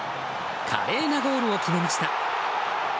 華麗なゴールを決めました。